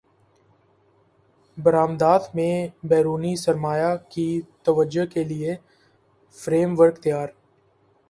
برامدات میں بیرونی سرمایہ کی توجہ کیلئے فریم ورک تیار